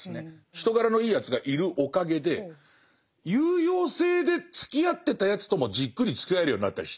人柄のいいやつがいるおかげで有用性でつきあってたやつともじっくりつきあえるようになったりして。